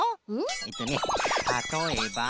えっとねたとえば。